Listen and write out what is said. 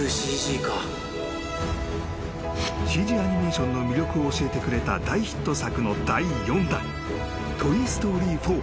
［ＣＧアニメーションの魅力を教えてくれた大ヒット作の第４弾『トイ・ストーリー４』］